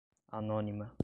anônima